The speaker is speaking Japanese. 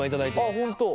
あっ本当？